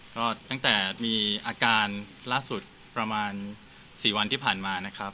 ก็ตั้งแต่มีอาการล่าสุดประมาณ๔วันที่ผ่านมานะครับ